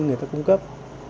người ta cung cấp